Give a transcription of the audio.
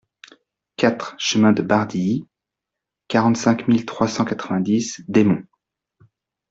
quatre chemin de Bardilly, quarante-cinq mille trois cent quatre-vingt-dix Desmonts